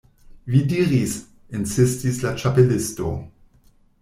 "Vi diris" insistis la Ĉapelisto.